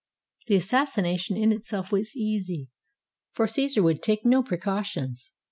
The assassination in itself was easy, for Caesar would take no precautions.